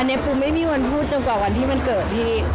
อันนี้ปุ๊บไม่มีวันพูดจนกว่าวันที่ใช่